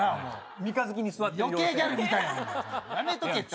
三日月に座ってるやつ。